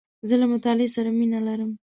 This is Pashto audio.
زه له مطالعې سره مینه لرم .